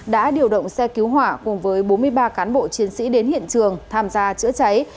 đã điều động xe cứu hỏa cùng với bốn mươi ba cán bộ chiến sĩ đến hiện trường tham gia chữa cháy